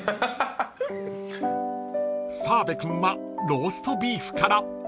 ［澤部君はローストビーフから］